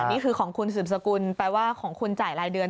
นี่คือของคุณสืบสกุลแปลว่าของคุณจ่ายรายเดือน